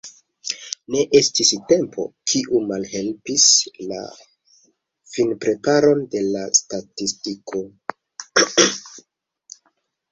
Ne estis "tempo", kiu malhelpis la finpreparon de la statistiko.